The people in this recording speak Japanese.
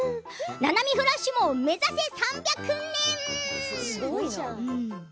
「ななみフラッシュ！」も目指せ３００年。